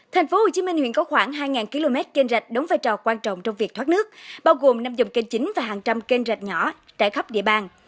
thành phố hồ chí minh huyện có khoảng hai km kênh rạch đóng vai trò quan trọng trong việc thoát nước bao gồm năm dòng kênh chính và hàng trăm kênh rạch nhỏ trải khắp địa bàn